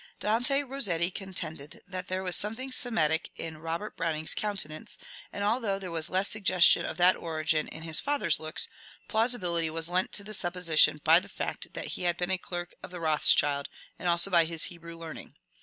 Dante Rossetti con tended that there was something Semitic in Robert Brown ing's countenance, and although there was less suggestion of that origin in his father's look, plausibility was lent to the supposition by the fact that he had been a clerk of the Roths childs, and also by his Hebrew learning.